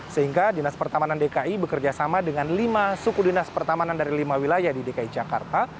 sehingga dinas pertamanan dki bekerjasama dengan lima suku dinas pertamanan dari lima wilayah di dki jakarta